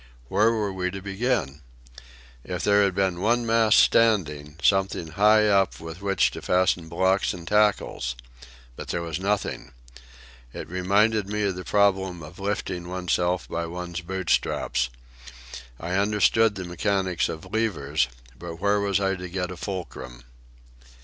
Where were we to begin? If there had been one mast standing, something high up to which to fasten blocks and tackles! But there was nothing. It reminded me of the problem of lifting oneself by one's boot straps. I understood the mechanics of levers; but where was I to get a fulcrum?